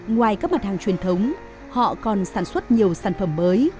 ngoài các mặt hàng truyền thống họ còn sản xuất nhiều sản phẩm mới